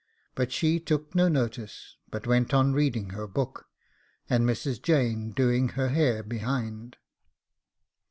But she took no notice, but went on reading her book, and Mrs. Jane doing her hair behind.